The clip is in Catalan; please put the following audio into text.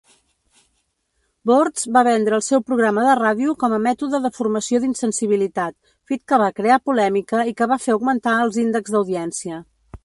Boortz va vendre el seu programa de ràdio com a "mètode de formació d'insensibilitat", fet que va crear polèmica i que va fer augmentar els índex d'audiència.